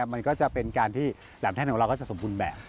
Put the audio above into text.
มันก็จะเป็นการที่แหลมแท่นของเราก็จะสมบูรณ์แบบ